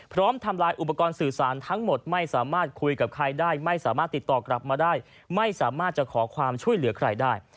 ทำลายอุปกรณ์สื่อสารทั้งหมดไม่สามารถคุยกับใครได้ไม่สามารถติดต่อกลับมาได้ไม่สามารถจะขอความช่วยเหลือใครได้